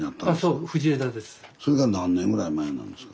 それが何年ぐらい前なんですか？